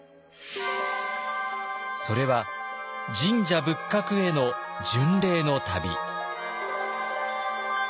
それは神社仏閣への巡礼の旅。